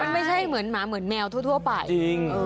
มันไม่ใช่เหมือนหมาเหมือนแมวทั่วไป